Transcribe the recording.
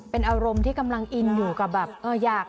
เป็นอารมณ์ที่กำลังอินอยู่กับแบบเอออยาก